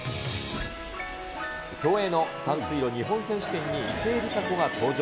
競泳の短水路日本選手権に池江璃花子が登場。